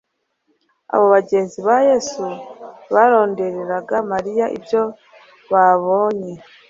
Abo bagenzi ba Yesu barondorera Mariya ibyo babonye